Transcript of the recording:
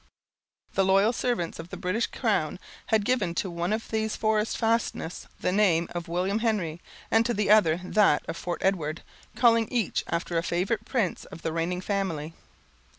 The loyal servants of the British crown had given to one of these forest fastnesses the name of William Henry, and to the other that of Fort Edward, calling each after a favorite prince of the reigning family.